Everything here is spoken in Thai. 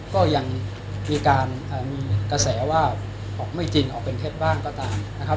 ก็ยังมีการมีกระแสว่าออกไม่จริงออกเป็นเท็จบ้างก็ตามนะครับ